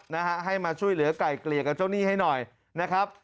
นะฮะให้มาช่วยเหลือไก่เกลี่ยกับเจ้าหนี้ให้หน่อยนะครับ